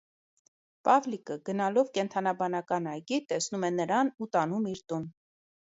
Պավլիկը, գնալով կենդանաբանական այգի, տեսնում է նրան ու տանում իր տուն։